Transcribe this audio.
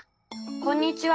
こんにちは！